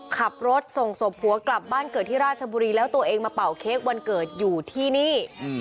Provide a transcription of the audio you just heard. ขับรถส่งศพผัวกลับบ้านเกิดที่ราชบุรีแล้วตัวเองมาเป่าเค้กวันเกิดอยู่ที่นี่